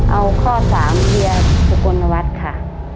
เอาข้อ๓เฮียสุกลนวัฒน์ค่ะ